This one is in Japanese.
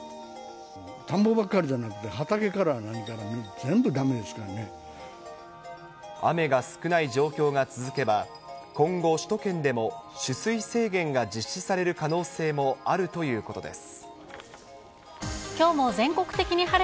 田んぼばっかりじゃなくて、雨が少ない状況が続けば、今後、首都圏でも取水制限が実施される可能性もあるということです。